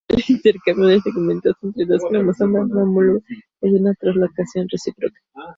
El intercambio de segmento entre dos cromosomas no homólogos es una translocación recíproca.